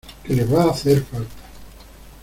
que les va a hacer falta.